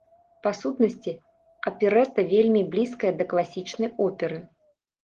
Па сутнасці, аперэта вельмі блізкая да класічнай оперы.